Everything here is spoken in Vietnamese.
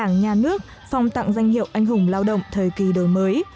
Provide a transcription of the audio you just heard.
đảng nhà nước phòng tặng danh hiệu anh hùng lao động thời kỳ đời mới